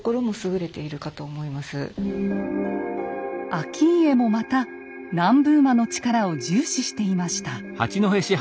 顕家もまた南部馬の力を重視していました。